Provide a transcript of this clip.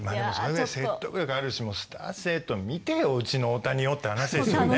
説得力あるしスター性と見てようちの大谷をって話ですよね。